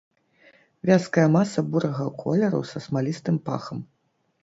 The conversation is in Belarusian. Вязкая маса бурага колеру са смалістым пахам.